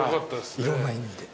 いろんな意味でね。